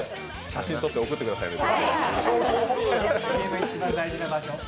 写真撮って、送ってくださいね。